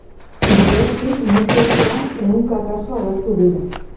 Geroztik, mundu osoan ehunka kasu agertu dira.